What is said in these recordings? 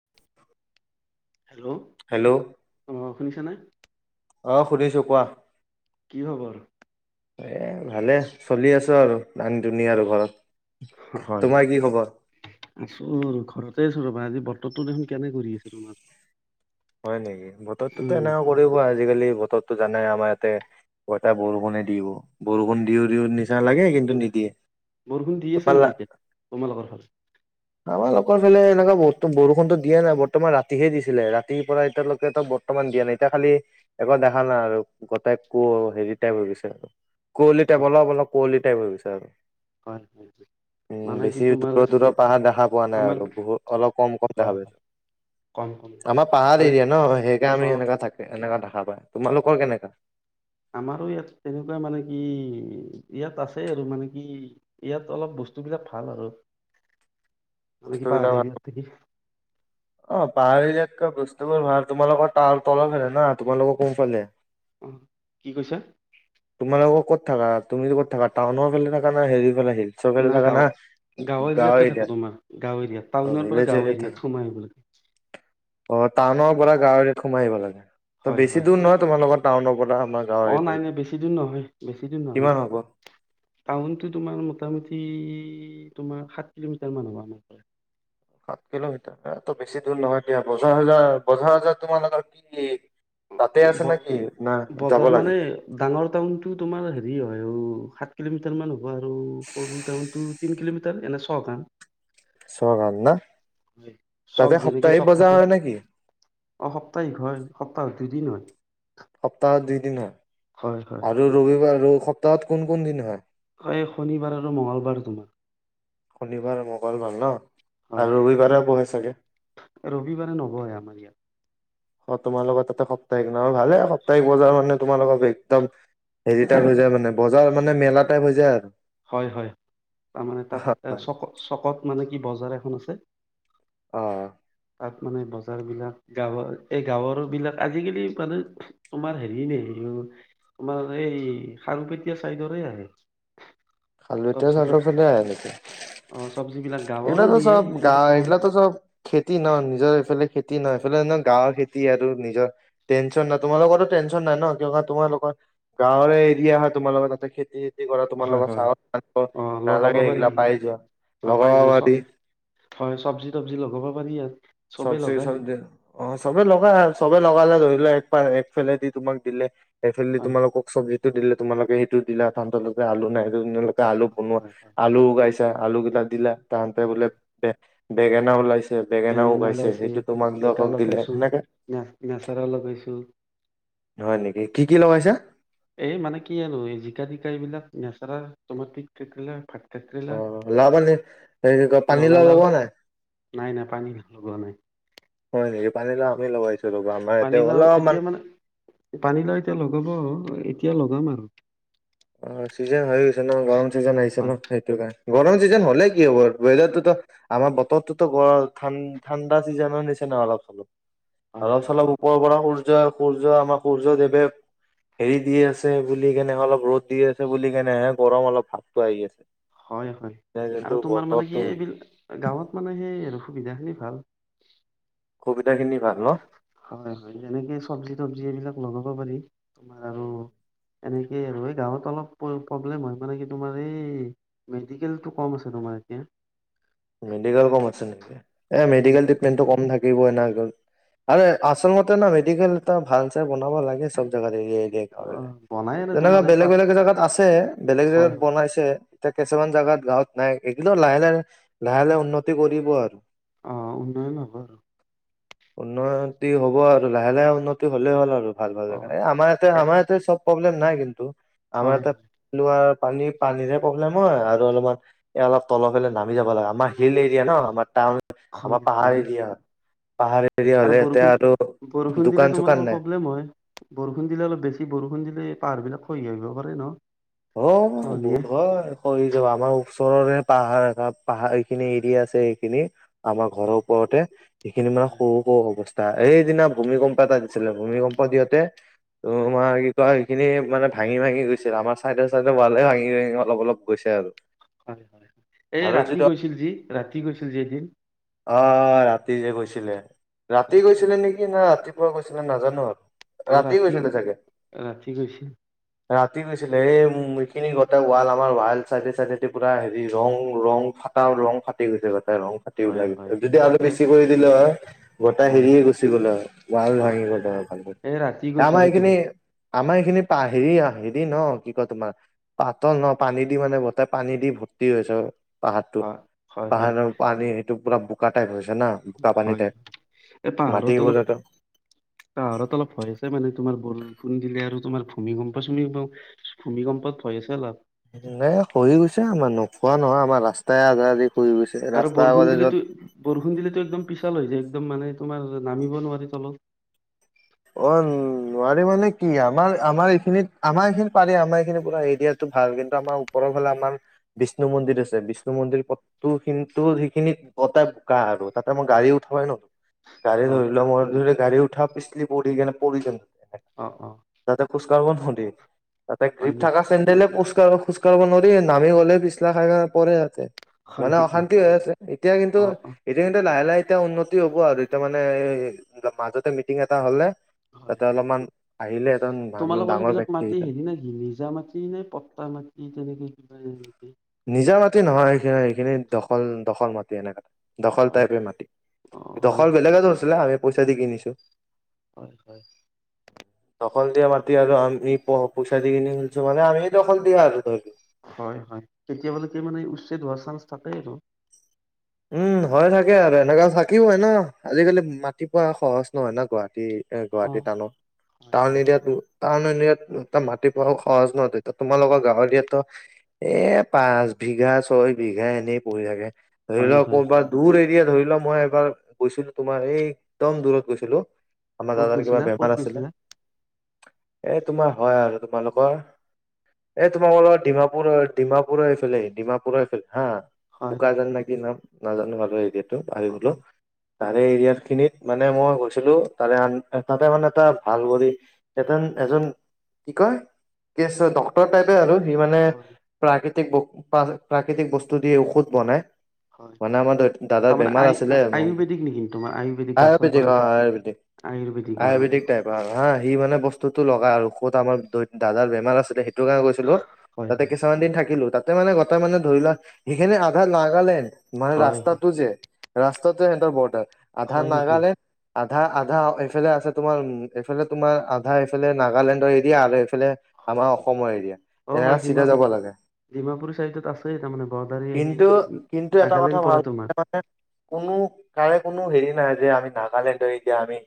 [unintelligible] Hello hello অ শুনিছা নে অঁ শুনিছো কোৱা কি খবৰ এ ভালে চলি আছে আৰু দান দুনিয়াৰ ঘৰ হয় আছো ঘৰতে ৰবা আজি বতৰটো দেখোন কেনে কৰি আছে তোমাৰ হয় নেকি বতৰটো উম এনেকা কৰিব আৰু আজিকালি বতৰতো জানে আমাৰ ইয়াতে এটা বৰষুণে দিব বৰষুণ দিও দিও নিচা হয় লাগে কিন্তু নিদিয়ে বৰষুণ দি আছে নেকি ইফালে এতিয়া তোমালোকৰ ফালে আমাৰ লোকৰ ফালে এনেকোৱা ব বৰষুণো দিয়া নাই বৰ্তমান ৰাতিহে দিছিলে ৰাতিৰ পৰা এতিয়ালৈকে বৰ্তমান দিয়া নাই এতিয়া খালি একো দেখা নাই আৰু গোটাই কো হেৰি টাইপ হৈ গৈছে আৰু কুৱলি টাইপ হয় অলপ অলপ কুৱলি টাইপ হৈ গৈছে তাৰ হয় হয় মানে কি তোমাৰ দূৰৰ দূৰৰ পাহাৰ দেখা পোৱা নাই আমাৰ আৰু বহুত অলপ কম কম হয় দেখা হয় পাইছো কম কম আমাৰ পাহাৰ মানে এৰিয়া ন অ সেইকাৰণে এনেকা থাকে তেনেকা দেখা পায় তোমালোকৰ কেনেকা আমাৰো ইয়াত তেনেকোৱা মানে কি ইয়াত আছেই আৰু মানে কি ইয়াত অলপ বস্তুবিলাক ভাল আৰু মানে কিবা বস্তুবিলাক ভাল হেই অ পাহাৰ এৰিয়াত বস্তুবোৰ ভাল তোমালোকৰ তাত তলত না তোমালোক কম্পেনীৰ কি কৈছা তোমালোকো ক'ত থাকা তুমি কত থাকা টাউনৰ ফালে থাকা নে হেৰি ফালে হিলচৰ ফালে নাই থাকা না গাঁও গাঁও এৰিয়াতে থাকো তোমাৰ গাঁও এৰিয়াাত অ টাউনৰ পৰা ভিলেজ গাঁওৰ থাকা এৰিয়াত সোমাই অ টাউনৰ পৰা গাঁৱৰ এৰিয়াত সোমাই আহিব লাগে ত হয় হয় বেছি দূৰ নহয় তোমাৰ লগত টাওনত তা আমাৰ অ গাঁৱৰ নাই এতিয়ালে নাই বেছি নহয় বেছি দিন নহয় টাউনটো তোমাৰ মোটামুটি তোমাৰ সাত কিলোমিটাৰ মান হ'ব সাত কিলোমিটাৰ এ তো বেছি দূৰ নহয় দিয়া বজাৰ হজাৰ বজাৰ হজাৰ তোমালোকৰ কি তাতে আছে নেকি না যাব বজাৰ লাগে? মানে ডাঙৰ টাউনটো তোমাৰ হেৰি হয় কিলোমিটাৰ মান হ'ব আৰু টাউনতটো তিন কিলোমিটাৰ এনে ছ গান ছগান ন তাতে সপ্তাহি বজাৰ হয় নেকি অসপ্তাহিক হয় সপ্তাহত দুদিন হয়। অ [unintelligible] দুই দিন হয় হয় হয় আৰু ৰবিবাৰ। [unintelligible] আৰু সপ্তাহত কোন কোন দিন হয়। হয় শনিবাৰ আৰু মঙ্লবাৰ তোমাৰ। শনিবাৰ মঙগলবাৰ ন। আৰু ৰবিবাৰে বহে চাগে হয় ৰবিবাৰে নবয়ে আমাৰ ইয়াত [unintelligible] অ তোমাৰ লগত এটা সপ্তাহিকিন আৰু ভালে সপ্তাহ। আটাই বজাৰ মানে তোমালোকৰ বেগ একদম হেৰি টাইপ হৈ যায় মানে বজাৰ মানে মেলা টাইপ হৈ যায় আৰু হয় হয় তাৰ মানে তাত চক চকত মানে কি বজাৰ এখন আছে। অ তাত মানে বজাৰবিলাক গাঁৱৰ এই গাঁৱৰ বিলাক আজিকালি মানে তোমাৰ হেৰি ন তোমাৰ এই খাৰপেটীয়া চাইডৰে আহে। খালতীয়া চব্জি চাদৰ তবজি ফালে আহে নেকি অ চব্জি বিলাক গাঁৱৰো এইগিলো নিয়ে চব গা কিন্তু কম এইগিলা চব খেতি ন নিজৰ এইফালে খেতি [unintelligible] খে নহয় এইফালে গাঁৱৰ খেতি আৰু নিজৰ টেনচন নাই তোমালোকৰো টেনচন নাই ন কিয় তোমালোকৰ গাঁৱৰে এৰিয়া হয় তোমালোকৰ তাতে খেতি কি কৰা তোমাৰ হয় লগত হয় চাওঁ। অ লগাব পাৰি অ লগাব পাইছো পাৰি চব হয় চব্জি তবজি লগাব পাৰি। [inaudible] চব চ লগাই অ চবে লগাই চবে লগালে ধ। ফাল দি তোমাক দিলে এ হয় তোমালোকক চব্জী। টো দিলে তোমালোকে সেইটো দিলাতে আলু নাই। আলু হয় হয় হয় বনোৱা আলু উ গাইছা আলু। ন দিলা তাহতে বোলে হয়। ব বেঙেনা ওলাইছে বেঙেনাও জ লগ নচ লগাই [unintelligible] হয় নেকি কি কি লগাইছা? এই মানে কি আ আৰু এই জিকা জিকা এইবিলাক নেচমে থ [unintelligible] অ লাও মানে হে কয় পানীলাও ৰঙালাও লব নাই নাই নাই পানী লগোৱা নাই হয় নেকি পানীলাও আমি লগাইছো। ৰবা আমাৰ ইয়াতে পানীলাও অলপমান এতিয়া মানে, পানীলাও এতিয়া লগাব এতিয়া লগাম আৰু। অ'চিজন হৈ আছে। জন, গৰম চিজন আহিছে ন হয় সেইটোৰ কাৰণে। গৰম চিজন হ'লেই কি হব, ৱেডাৰতো আমাৰ বতৰতটোতো ঠাণ্ডা চিজনৰ নিচিনাহ অলপ-চলপ। হয় হয় অলপ-চলপ ওপৰ পৰা সূৰ্য, সূৰ্য আমাৰ সূৰ্য দেৱে হেৰি দি আছে বুলি কেনে অলপ ৰ'দ দি আছে বুলি কাৰণে হে গৰম অলপ ভাৱটো আহি আছে। হয়, হয়। এ যোনটো আৰু তোমাৰ মানে বতৰটো কি, এইবিলাক গাঁৱত মানে সেই সুবিধা খিনি ভাল। সুবিধা খিনি ভাল ন হয়, হয়। যেনেকে, চব্জি-তবজি এইবিলাক লগাও ক'ব পাৰি। তোমাৰ আৰু এনেকেই আৰু এই গাঁৱত অলপ প্ৰব্লেম হয়, মানে কি, তোমাৰ এই মেডিকেলটো কম আছে, তোমাৰ এতিয়া মেডিকেল কম আছে নিকি এই মেডিকেল টিতমেন্ট কম থাকে আচলতে ন মেডিকেল এটা ভাল চ বনাব লাগে, সব জেগাতে। অ বনাই আৰু তোমাৰ যেনেকুৱা এই পাত বেলেগ-বেলেগ জেগাত আছে। বেলেগ হয় জেগাত হয় বনাইছে। কিছুমান জাগাত গাঁৱত নাই, একদম লাহে-লাহে লাহে-লাহে উন্নতি কৰিব আৰু। আহ', উন্নয়ন হব আৰু। উন্নতি হ'ব আৰু, লাহে-লাহে উন্নতি হ'লেই হ'ল আৰু। ভাল ভাল জ হয় আমাৰ ইয়াতে এ আমাৰ ইয়াতে চব প্ৰব্লেম নাই কিন্তু। আমাৰ হয় এটা হয় লোৱা পানী পানীৰে প্ৰব্লেম হয়, আৰু অলপমান এ অলপ তলৰলে নামি যাব লাগে। আমাৰ শিল, এৰিয়া ন, আমাৰ টাউন আমাৰ হয় পাহাৰ হয়। এৰিয়া। পাহাৰে আৰু বৰষুণ, বৰষুণ দিলে চোকান নাই তোমালোকৰ প্ৰব্লেম হয় বৰষুণ দিলে অলপ বেছি বৰষুণ দিলে পাহাৰ বিলাক খহি আহিব পাৰে ন? অ ভত খহনীয়ে। [unintelligible] হয় কৰি যাব আমাৰ ওচৰৰে পাহাৰ এ পাহাৰ এইখিনি এৰিয়া আছে সেইখিনি আমাৰ ঘৰৰ হয় ওপৰতে সেইখিনি মানে সৰু অৱস্থা। সেইদিনা ভূমিকম্প এটা দিছিলে। ভূমিকম্প দিওঁতে, হয় তমে ক [unintelligible] খিনি মানে ভাঙি ভাঙি গৈছিল। আমাৰ চাইদে-চাইদে ভালে ভাঙি ভাঙি অলপ অলপ গৈছে আৰু। হয় হয় এই আৰু ৰাতি যিটো গৈছিল যি ৰাতি গৈছিল যে উম অ ৰাতি যে গৈছিলে। ৰাতি গৈছিলে নেকি নহ ৰাতি ৱা গৈছিলে নাজানো আৰু। অ ৰাতি, গৈছিলে চাগে ৰাতি গৈছে। ৰাতি গৈছিলে। এই উ এইখিনি গোটেই ৱাল আমাৰ ৱাল চাইডে চাইডেদি পুৰা হেৰি ৰং ৰং ফটা ৰং ফাটি গৈছে গোটেই ৰং হয় লাগ হয়। যদি আৰু এ বেছি কৰি দিলে হয় গোটাই হয় হেৰিয়ে গুচি গল হয়, ৱাল ভাঙি গলে হয়। এই ৰাতি গৈছিল আমাৰ সেইটো এইখিনি আমাৰ এইখিনি পা হেৰি হেৰি ন কি কয় তোমাৰ পাতল ন পানী দি মানে ব পানী দি ভৰ্তি হৈ আছে। পাহাৰটো হয় হয় হয় পাহাৰৰ পানী পুৰা বোকা টাইপ হৈছে টো হয়, এ পাহাৰত অলপ মাটিবোৰতো পাহাৰত অলপ ভয় আছে মানে তোমাৰ বৰষুণ দিলে আৰু তোমাৰ ভূমিকম্প চুমিম ভূমিকম্পত ভয় আছে অলপ নে খহি গৈছে আমাৰ, নোখোৱা নহয় আমাৰ ৰাস্তাই আধা আধি খহি গৈছে আৰু ৰাস্তাৰ বৰষুণ আগতে য'ত দিলেতো, বৰষুণ দিলেতো একদম পিছাল হৈ যায় একদম মানে তোমাৰ নামিব নোৱাৰি তলত। অ নোৱাৰি মানে কি আমাৰ আমাৰ এইখিনিত আমাৰ এইখিনিত পাৰি। আমাৰ এইখিনি পুৰা এৰিয়াটো ভাল। কিন্তু আমাৰ ওপৰৰ ফালে আমাৰ বিষ্ণু মন্দিৰ আছে। বিষ্ণু মন্দিৰ পথটো কিন্তু সেইখিনিত গটাই বোকা আৰু তাতে মই গাড়ী উঠাবই নৰো। গাড়ী হয় ধৰি ল মই ধৰি গাড়ী উঠ থাও পিছলি পৰি গেলা পৰি গেল। অ অ তাতে খোজ তামাম খুন্দে। তাতে হয় গ্ৰিপ নি থকা চেণ্ডেলে এ পু খোজ কাৰব নৰি, খোজকাঢ়িব নৰি। নামি গলে পিছলা খাই খাই পৰে এতে। হয় মানে নেকি? অশান্তি হৈ আছে। এতিয়া কিন্তু অ অ এতিয়া কিন্তু, লাহে-লাহে এতিয়া উন্নতি হ'ব আৰু এতিয়া মানে এ মাজতে মিটিং ত হ'লে হয়। তাতে অলপমান আহিলে এজন মানুহ তোমালোকৰ ডাঙৰ সেইবিলাক ব্যক্তি মাটি এটা হেৰি নে কি? নিজা মাটি নে পট্টা মাটি তেনেকে কিবা নিজা মাটি নহয়। সিন সিখিনি দখল, দখল মাটি এনেকা। দখল হয়। টাইপে মাটি। অ হয়। দখল বেলেগে ধৰিছিলে আমি পই চা দি কিনিছো। হয়, হয়। দখল দিয়া মাটি আৰু আমি প পইচা দি কিনি খুলিছো। মানে আমি দখল দিয়া আৰু ধৰি হয়, হয়। কেতিয়াবালকে মানে উচ্ছেদ হোৱাৰ চান্স থাকেই আৰু উম হয় থাকে আৰু। এনেকা থাকিবই ন? আজিকালি মাটিপুৱা সহজ নহয় না গুৱাহাটীত। এ অ গুৱাহাটী টাউনত, হয় টাউন হয়। এৰিয়াটো টাউন [unintelligible] মাটি পৰা সহজ নহয়তিয়া তোমালোকৰ গাঁৱলিয়ো এ পাঁচ বিঘা, ছয় বিঘা এনেই পৰি থাকে। ধৰি হয় লওঁক হয় হয় ক'ৰবাত দূৰ এৰিয়াত ধৰি মই এবাৰ গৈছিলো তোমাৰ এই একদম দূৰত গৈছিলো। আমাৰ ক'ত দাদাৰ কিবা গৈছিলা বেমাৰ ক'ত আছিলে গৈছিলা এ তোমাৰ হয় আৰু তোমালোকৰ এ তোমাৰ অৰ ডিমাপুৰ ডিমাপুৰফালে ডিমাপুৰফালে হা হয় হয় বুকাজান না নাজানো ভালদৰে হয় এতিয়া হয়। [unintelligible] তাৰে এৰিয়াৰ খিনিত মানে মই গৈছিলো তাৰে তাতে মানে এটা ভাল কৰি এতেন এজন কি কয় কেচ ডক্তৰ টাইপে আৰু সি মানে হয় প্ৰাকৃতি প্ৰাকৃতিক বস্তু দিয়ে ঔষধ বনায় হয় মানে হয় আমাৰ দাদাৰ তাৰমানে বেমাৰ আয় আছিলে মন আয়ুৰ্বেদিক নেকি তোমাৰ গাছৰ আয়ুৰ্বেদিক পৰা অ যে আয়ুৰ্বেদিক আয়ুৰ্বেদিকৰ অ আয়ুৰ্বেদিক টাইপ হা সি মানে বস্তুটো লগা আৰু ক'ত আমাৰ দাদাৰ বেমাৰ আছিলে সেই গৈছিলো হয় তাতে হয় কিছুমান দিন থাকিলো তাত তাতে মানে গোটেই মানে ধৰি লোৱা সেইখিনি আধা নাগালেণ্ড মানে হয় হয় ৰাস্তাটো যে ৰাস্তাটোৱে সিহঁতৰ বৰ্ডাৰ আধা হয় নেকি নাগালেণ্ড আধা আধা এইফালে আছে তোমাৰ উ এইফালে তোমাৰ আধা এইফালে নাগালেণ্ডৰ এৰিয়া আলে হয় হয় অ হয় চিধা ডিমা যাব লাগে ডিমাপুৰী চাইডত আছে তাৰমানে বৰ্ডাৰী কিন্তু আহেই কিন্তু এটা কথা ভাল মানে কোনো কাৰে কোনো হেৰি নাই এতিয়া আমি নাগালেণ্ডৰ এৰিয়া আমি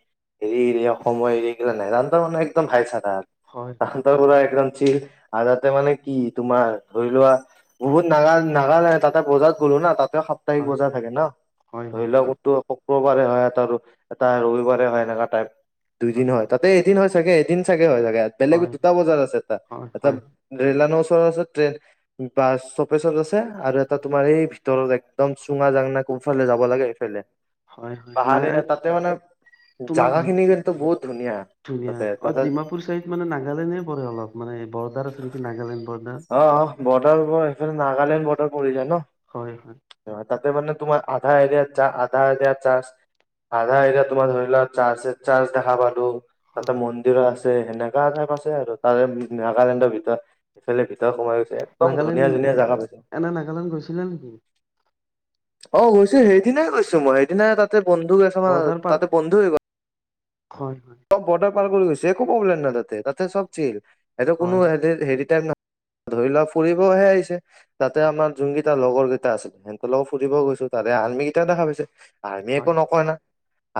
হেৰি এৰিয়া অসমৰ এৰিয়া কিতা নাজানো একদম ভাইছ আদাত হয় হয় [unintelligible] ছিল আৰু তাতে মানে কি তোমাৰ ধৰি লোৱা বহুত নাগা নাগালে তাতে বজাত গলো নাই তাত সাপ্তাহিক হয় বজা থাকে ন হয় ধৰি হয় লওঁক হয় তো শুক্ৰবাৰে হয় এটা ৰবিবাৰে হয় এনেকা টাইপ দুইদিন হয় তাতে এদিন হয় চাগে এদিন চাগে হয়াগে বেলেগ হয় দুটা বজাৰ আছে এটা এটা হয় ৰেল লাইন ওচৰ তাছত ট্ৰেন, বাছ চবে চলে ছ আৰু এটা তোমাৰ এই ভিতৰত একদম হয় চুঙা জাংনা কোফালে যাব লাগে এইফালে হয় হয় ন, পাহাৰীয়া তাতে মানে তোমাৰ জাগা খিনি কিন্তু বহুত ধুনীয়া তাতে অঁ তাতে ডিমাপুৰ ছাইড মানে নাগালেণ্ডে পৰে অলপ, মানে বৰ্ডাৰ আছে নেকি নাগালেণ্ড বৰ্ডাৰ। বৰ্ডাৰৰও এইফালেনাগালেণ্ড বৰ্ডাৰ পৰি যায় ন। হয়! হয়! তাতে মানে তোমাৰ আধা এৰিয়াত, যা, আধা এৰিয়াৰত চাৰ্ছে, আধা এৰিয়াাত তোমাৰ ধৰি লোৱা চাৰ্ছ দেখা পালো তাতে হয় মন্দিৰোঁ আছে। সেনেকা এঠাইত আছে আৰু, তাৰে নাগালেণ্ডৰ ভিতৰত, এইফালে ভিতৰত সোমাই গৈছে, একদম নাগালেণ্ড ধুনীয়া ধুনীয়া জেগা পাইছে এনে নাগালেণ্ড গৈছিলে নেকি অ' গৈছোঁ সেইদিনাই গৈছোঁ মই, সেইদিনাই তাত তাতে বন্ধু গৈছে না, বৰ্ডাৰ পাৰ তাতে বন্ধু হৈ গ'ল। হয়। তোমালোকৰ ফালে গৈছে, একো প্ৰব্লেম নাই তাতে তাতে চব চিল। এয়াতে কোনো, হয় ন ইয়াতে হেৰি, হেৰি টাইপ‌ নকৰ ধৰি লোৱা ফুৰিবহে আহিছে। তাতে হয় আমাৰ জুংগিত লগৰ কেইটা আছিলে, সিহঁতৰ লগত ফুৰিবও গৈছো ততে, আৰ্মি কেইটা দেখা পাইছে। আৰ্মি একো হয় নকয় না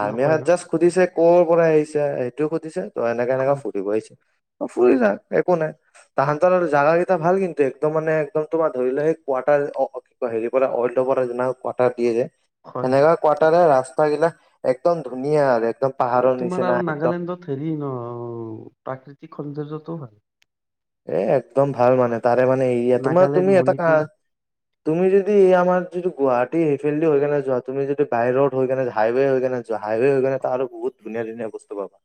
আৰ্মিয়ে নকয় ন জাষ্ট সুধিছে ক'ৰ পৰা আহিছে? সেইটোও সুধিছে ত এনেকাে এনেকাে হয় ফুৰিব আহিছে, ত হয় ফুৰি ল হয় একো নাই, তাহাতৰ জাগা কেইটা ভাল কিন্তু। একদম মানে একদম তোমাৰ ধৰি লোৱা সেই কোৱাটাৰ, কি কয় হেৰি পৰা অইলৰ পৰা কোৱাটাৰ দিয়ে যে হয় হয় এনেকা কোৱাটাৰে ৰাস্তা খোটা গিলা একদম ধুনীয়া আৰু। একদম পাহাৰৰ নিচিনা। একদম নাগালেণ্ড হেৰি ন, প্ৰাকৃতিক সৌন্দৰ্য সৌন্দৰ্য্য এ, একদম ভাল মানে তাৰে মানে এৰিয়াটো, তোমাৰ নাগালেণ্ড তুমি এটা কা, মণিপুৰ তুমি যদি এ আমাৰ যিটো গুৱাহাটী সেইফিল্ডটো হৈ পিনে যোৱা, তুমি যদি বাই ৰ'ড হৈ পিনে, হাইৱে হৈ কেনে হাইৱে হৈ কিনে তাত আৰু বহুত ধুনীয়া, ধুনীয়া বস্তু পাবা।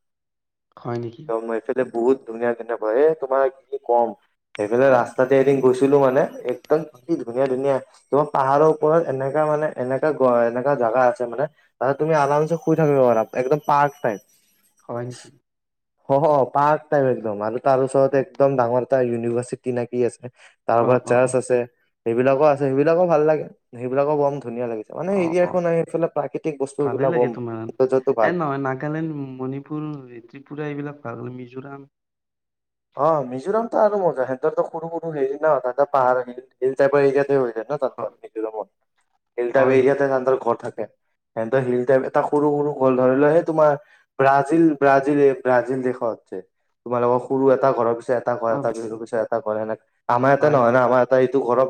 হয় নেকি অ' মই এইটোটে বহুত ধুনীয়, ধুনীয়া বহে এ তোমাৰ কি কম! সেফেলে হয় ৰাস্তাতে এদিন গৈছিলোঁ ছিলো মানে এক,। হয় কি ধুনীয়া ধুনীয়া,। তোমাৰ পাহাৰৰ ওপৰত এনেকা মানে এনেকা এনেকা জাগা আছে মানে, তাতে তুমি আৰাম শুই থাকিব পাৰা, একডম পাৰ্ক টাইপ। হয় নেকি? অ হ পাৰ্ক টাইপ,। একদম আৰু তাৰ ওচৰত এক,। ডাঙৰ এটা ইউনিভাৰ্চিটি নাকি আছে। অ তাৰপৰা অ চাৰ্চ অ আছে। সেইবিলাকো আছে, সেইবিলাকো ভাল লাগে। সেইবিলাকো গৰম ধুনীয়া লাগিছে, মানে অ অ এৰিয়াখন এইফালে প্ৰাকৃতিক ভালে বস্তুবিলাক লাগে বম তোমাৰ যটো ভাল। এ নহয় নাগালেণ্ড আৰু মিজোৰাম। অ মিজোৰামতো আৰু মজা, সিহঁতো সৰু সৰু গিল ন ততে পাহাৰ আহ তাৰপ পৰা এইয়াতে হৈ যায়। হয় হয় হয় এৰিয়াতে তৰ ঘৰ থাকে। স শিল টাইপ এটা সৰু সৰু ৱৰ্ল্ড ধৰি লোৱা, সেই তোমাৰ ব্ৰাজিল ব্ৰাজিল ব্ৰাজিল দেশত যে তোমাৰ লগক,। সৰু এটা ঘৰৰ। এটা ক অ এটা বহিলো পিছত। কৰে ন। আমাৰ ইয়তে হয় নহয় ন, হয় আমাৰ এ এইটো ঘৰৰ।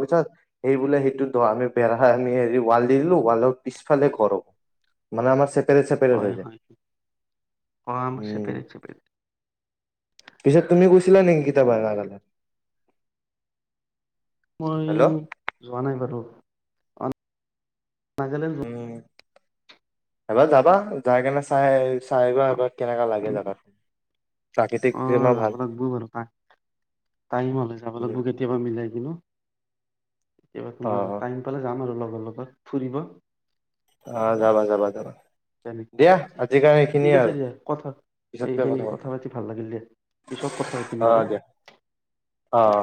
সেইবোলে সেইটো ধৰ, আমি বেৰা আমি হেৰি ৱাল দি দিলো, ৱালৰ পিছফালে কৰো। মানে আমাৰ চে -। হয় হয়, চেপাৰেত চেপাৰেত। পিছত তুমি গৈছিলা নেকি কেতিয়াবা নাগালেণ্ড? মই হেল্ল' যোৱা নাই বাৰু। নাগালেণ্ড যোৱা উম। এবাৰ যাবা, যাই কেনে চাই। চাই আহিবা অ এপাক কেনেকা লাগে জেগাখন। অ যাব লাগিব বাৰু টাইম হলে, যাব উম, লাগিব কেতিয়াবা মিলাই কিনে। কেতিয়াবা অ তোমাৰ টাইম পালে যাম আৰু লগত। লগ লগত ফুৰিব। আহ যাবা যাবা যাবা, জানি। দিয়া ঠিক আজি আছে কাৰণে ঠিক সেইখিনিয়ে আছে আৰু দিয়া কথা পিছতকে এইখিনি কথা পাতিম। পাতি ভাল লাগিল দে, পিছত কথা পাতিম অ বাৰু। দিয়া অ অ